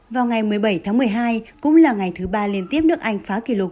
vào ngày một mươi bảy tháng một mươi hai cũng là ngày thứ ba liên tiếp nước anh phá kỷ lục